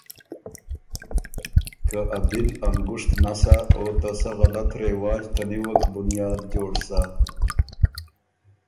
که ا بی ل ا ںګُشت نسا او ته سۀ غلط رواج ته نیوک بنیاد جوړ سَۀ۔